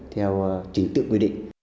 theo chính tượng quy định